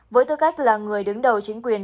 với tư cách là người đứng đầu chính quyền